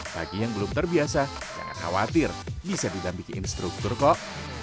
bagi yang belum terbiasa jangan khawatir bisa didampingi instruktur kok